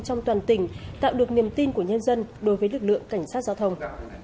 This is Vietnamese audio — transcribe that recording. trong toàn tỉnh tạo được niềm tin của nhân dân đối với lực lượng cảnh sát giao thông